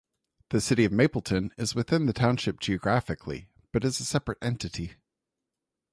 The city of Mapleton is within the township geographically but is a separate entity.